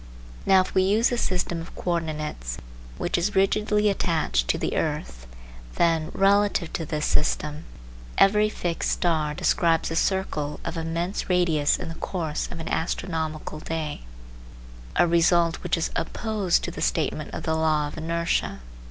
Now if we use a system of co ordinates which is rigidly attached to the earth, then, relative to this system, every fixed star describes a circle of immense radius in the course of an astronomical day, a result which is opposed to the statement of the law of inertia.